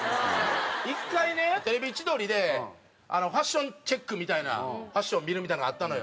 １回ね『テレビ千鳥』でファッションチェックみたいなファッションを見るみたいなんがあったのよ。